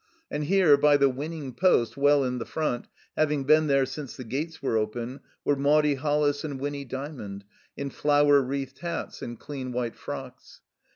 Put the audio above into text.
And here, by the winning post, well in the front, having been there since the gates were open, were Maudie HoUis and Winny Djrmond, in flower wreathed hats and dean white frocks.